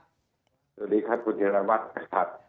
สวัสดีครับคุณจิรวัตรนะครับ